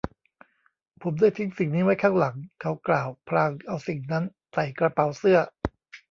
ผมได้ทิ้งสิ่งนี้ไว้ข้างหลัง เขากล่าวพลางเอาสิ่งนั้นใส่กระเป๋าเสื้อ